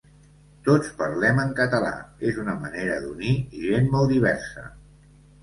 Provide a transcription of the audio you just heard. Tots parlem en català, és una manera d’unir gent molt diversa.